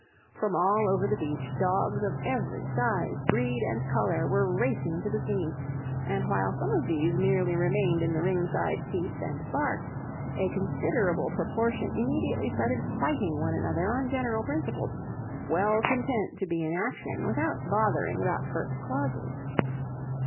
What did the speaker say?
From all over the beach dogs of every size, breed, and colour were racing to the scene: and while some of these merely remained in the ringside seats and barked, a considerable proportion immediately started fighting one another on general principles, well content to be in action without bothering about first causes.